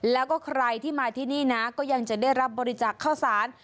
แล้วก็ใครที่มาที่นี่นะก็ยังจะได้รับบริจาคข้าวสาร